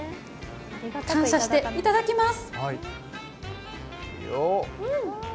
感謝していただきます。